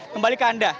kembali ke anda